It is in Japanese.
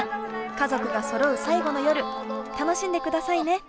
家族がそろう最後の夜楽しんで下さいね。